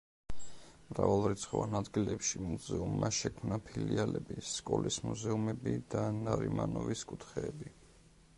მრავალრიცხოვან ადგილებში მუზეუმმა შექმნა ფილიალები, სკოლის მუზეუმები და ნარიმანოვის კუთხეები.